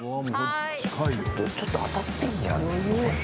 ちょっと当たってんじゃん？